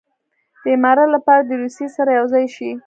د امارت لپاره دې د روسیې سره یو ځای شي.